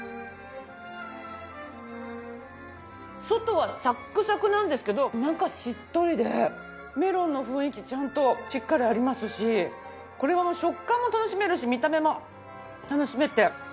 外はサックサクなんですけど中しっとりでメロンの雰囲気ちゃんとしっかりありますしこれは食感も楽しめるし見た目も楽しめて。